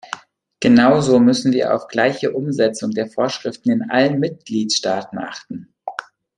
Genauso müssen wir auf gleiche Umsetzung der Vorschriften in allen Mitgliedstaaten achten.